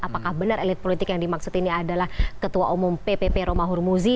apakah benar elit politik yang dimaksud ini adalah ketua umum ppp romahur muzi